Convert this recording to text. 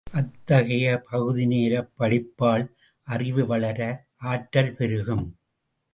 அத்தகைய பகுதிநேரப் படிப்பால் அறிவு வளர, ஆற்றல் பெருகும்.